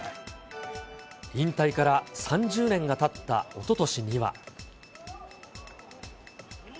引退から３０年がたったおととしには。